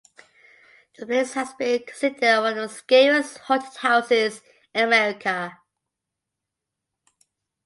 The place has been considered one of the scariest haunted houses in America.